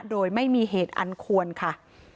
โดยไม่มีเหตุอันควรค่ะ